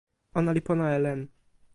ona li pona e len.